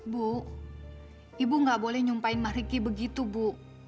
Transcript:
bu ibu nggak boleh nyumpain mah riki begitu bu